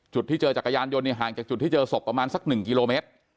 จุดที่เจอจักรยานยนต์ห่างจากจุดที่เจอศพประมาณสัก๑กิโลเมตร